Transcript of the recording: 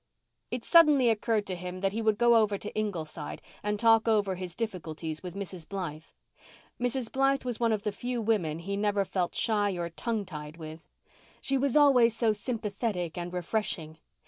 It suddenly occurred to him that he would go over to Ingleside and talk over his difficulties with Mrs. Blythe. Mrs. Blythe was one of the few women he never felt shy or tongue tied with. She was always so sympathetic and refreshing.